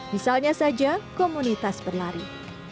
misalnya saja komunitas berlari